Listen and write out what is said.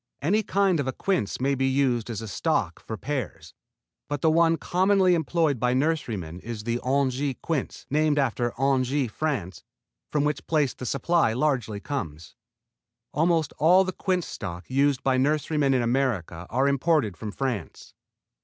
Any kind of a quince may be used as a stock for pears, but the one commonly employed by nurserymen is the Angers quince, named after Angers, France, from which place the supply largely comes. Almost all the quince stocks used by nurserymen in America are imported from France.